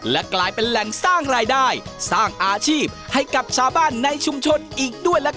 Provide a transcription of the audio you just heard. และกลายเป็นแหล่งสร้างรายได้สร้างอาชีพให้กับชาวบ้านในชุมชนอีกด้วยล่ะครับ